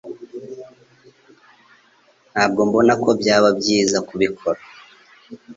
Ntabwo mbona ko byaba byiza kubikora.